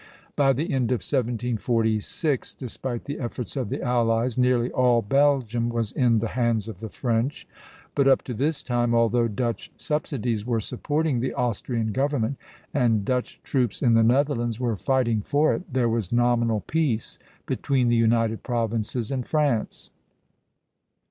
By the end of 1746, despite the efforts of the allies, nearly all Belgium was in the hands of the French; but up to this time, although Dutch subsidies were supporting the Austrian government, and Dutch troops in the Netherlands were fighting for it, there was nominal peace between the United Provinces and France.